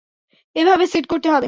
এভাবে সেট করতে হবে।